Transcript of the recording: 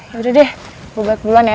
yaudah deh gue balik duluan ya